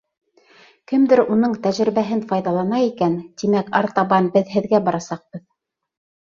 Кемдер уның тәжрибәһен файҙалана икән, тимәк, артабан беҙ һеҙгә барасаҡбыҙ.